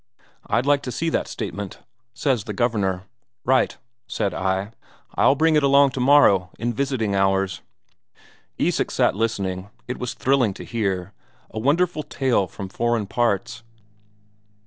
'I'd like to see that statement,' says the Governor. 'Right,' said I. 'I'll bring it along tomorrow in visiting hours.'" Isak sat listening it was thrilling to hear, a wonderful tale from foreign parts.